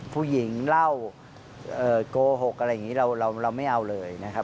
ผู้หญิงเล่าโกหกอะไรอย่างนี้เราไม่เอาเลยนะครับ